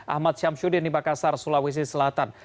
ahmad syamsuddin di makassar sulawesi selatan